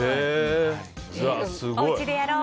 おうちでやろう。